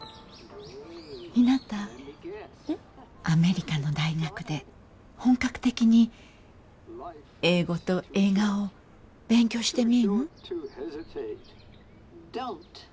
アメリカの大学で本格的に英語と映画を勉強してみん？